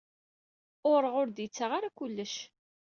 Ureɣ ur d-yettaɣ ara kullec.